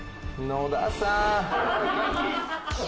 野田さん。